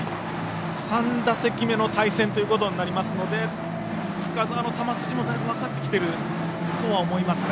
３打席目の対戦となりますので深沢の球筋も分かってきているとは思いますが。